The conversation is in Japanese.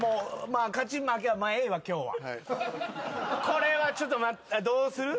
これはちょっとどうする？